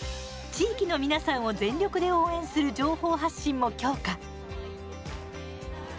地域の皆さんを全力で応援する情報発信も強化。